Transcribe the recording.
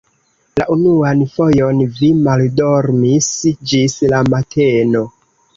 La unuan fojon vi maldormis ĝis la mateno.